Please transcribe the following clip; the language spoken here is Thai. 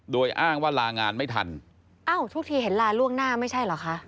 โดยอ้างว่าลางานไม่ทันอ้าวทุกทีเห็นลาล่วงหน้าไม่ใช่เหรอคะ